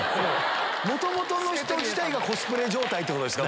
元々の人自体がコスプレ状態ってことですか。